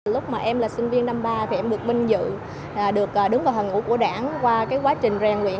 lúc mà em là sinh viên năm ba thì em được minh dự được đứng vào hành ủ của đảng qua quá trình rèn luyện